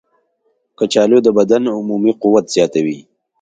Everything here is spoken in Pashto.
کچالو د بدن عمومي قوت زیاتوي.